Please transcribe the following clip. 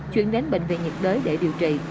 chuyển đến bệnh viện nhiệt đới để điều trị